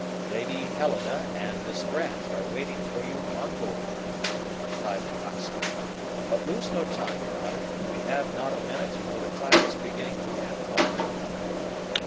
"Lady Helena and Miss Grant are waiting for you on board," replied the coxswain; "but lose no time your honor, we have not a minute, for the tide is beginning to ebb already."